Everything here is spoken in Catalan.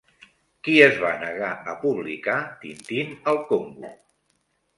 Qui es va negar a publicar Tintín al Congo?